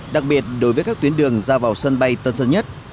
đặc biệt đối với các tuyến đường ra vào sân bay tân sơn nhất